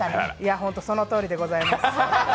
ホントそのとおりでございます。